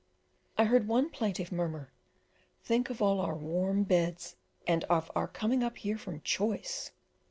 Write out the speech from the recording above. I heard one plaintive murmur "Think of all our warm beds, and of our coming up here from choice."